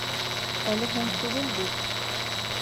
Әле һуң түгел бит